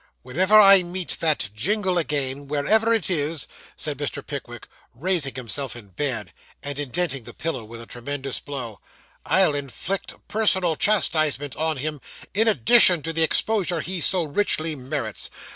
'Whenever I meet that Jingle again, wherever it is,' said Mr. Pickwick, raising himself in bed, and indenting his pillow with a tremendous blow, 'I'll inflict personal chastisement on him, in addition to the exposure he so richly merits.